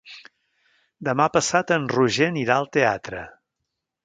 Demà passat en Roger anirà al teatre.